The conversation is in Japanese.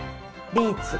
ビーツ。